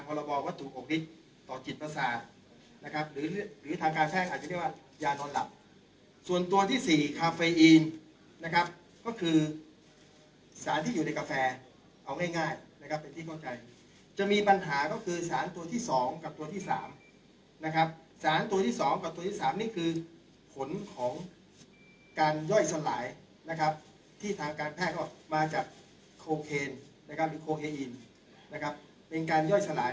พอเราบอกวัตถุออกฤทธิ์ต่อจิตประสาทนะครับหรือหรือหรือทางการแพ่งอาจจะเรียกว่ายานอนหลับส่วนตัวที่สี่คาเฟฮีนนะครับก็คือสารที่อยู่ในกาแฟเอาง่ายง่ายนะครับเป็นที่เข้าใจจะมีปัญหาก็คือสารตัวที่สองกับตัวที่สามนะครับสารตัวที่สองกับตัวที่สามนี่คือผลของการย่อยสลายนะครับที่ทางการแพ่งก็มา